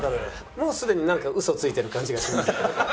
もうすでになんかウソついてる感じがする。